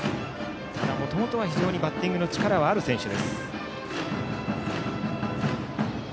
ただ、もともとは非常にバッティングの力はある選手。